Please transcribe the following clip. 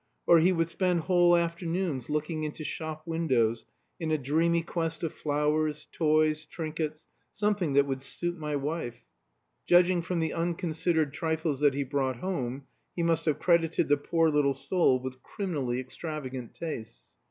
Or he would spend whole afternoons looking into shop windows in a dreamy quest of flowers, toys, trinkets, something that would "suit my wife." Judging from the unconsidered trifles that he brought home, he must have credited the poor little soul with criminally extravagant tastes.